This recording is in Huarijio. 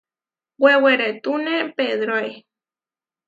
Wewerétune Pedróe.